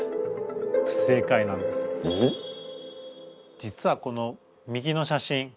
実はこの右の写真。